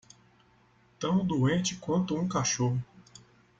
Tão doente quanto um cachorro.